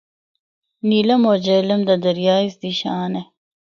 نیلم اور جہلم دا دریا اس دی شان اے۔